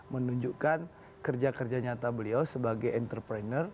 menunjukkan kerja kerja nyata beliau sebagai entrepreneur